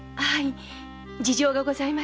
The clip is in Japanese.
事情がございまして。